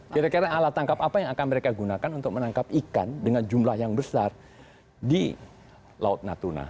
kira kira alat tangkap apa yang akan mereka gunakan untuk menangkap ikan dengan jumlah yang besar di laut natuna